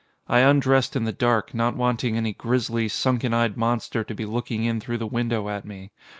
I undressed in the dark, not wanting any grisly, sunken eyed monster to be looking in through the window at me.